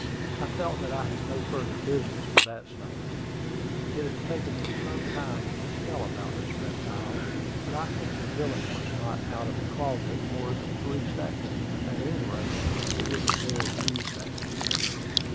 I felt that I had no further business with that snake. It has taken me some time to tell about this reptile; but I think the villain was not out of the closet more than three seconds; at any rate, it was a very few seconds.